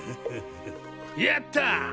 やった！！